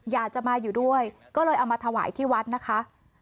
อยากจะมาอยู่ด้วยก็เลยเอามาถวายที่วัดนะคะ